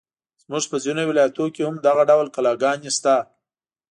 زموږ په ځینو ولایتونو کې هم دغه ډول کلاګانې شته.